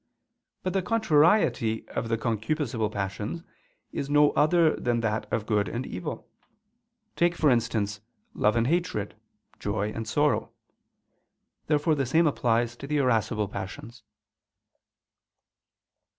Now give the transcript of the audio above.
But the contrariety of the concupiscible passions is no other than that of good and evil; take, for instance, love and hatred, joy and sorrow. Therefore the same applies to the irascible passions.